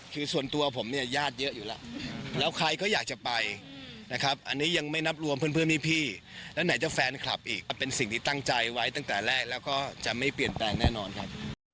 คือส่วนตัวผมเนี่ยญาติเยอะอยู่แล้วแล้วใครก็อยากจะไปนะครับอันนี้ยังไม่นับรวมเพื่อนพี่แล้วไหนจะแฟนคลับอีกเป็นสิ่งที่ตั้งใจไว้ตั้งแต่แรกแล้วก็จะไม่เปลี่ยนแปลงแน่นอนครับ